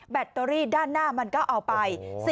ตเตอรี่ด้านหน้ามันก็เอาไป